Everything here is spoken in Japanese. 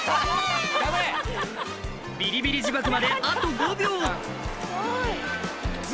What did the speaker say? ビリビリ自爆まであと５秒２。